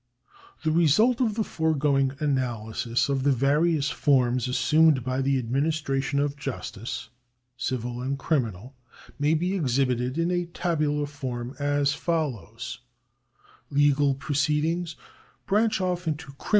The result of the foregoing analysis of the various forms assumed by the administration of justice, civil and criminal, may be exhibited in a tabular form as follows :— 88 THE ADMINISTRATION OF JUSTICE [§.